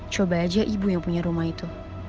coba aja ibu yang punya rumah itu